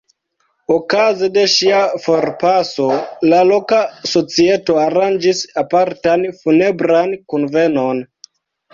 Okaze de ŝia forpaso, la loka societo aranĝis apartan funebran kunvenon.